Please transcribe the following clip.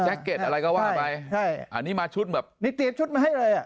เก็ตอะไรก็ว่าไปใช่อันนี้มาชุดแบบนี้เตรียมชุดมาให้เลยอ่ะ